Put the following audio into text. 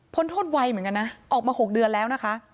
โทษไวเหมือนกันนะออกมา๖เดือนแล้วนะคะ